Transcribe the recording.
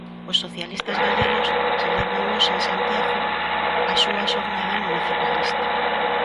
Os socialistas galegos celebran hoxe en Santiago a súa xornada municipalista.